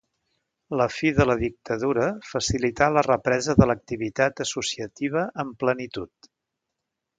La fi de la dictadura facilità la represa de l'activitat associativa en plenitud.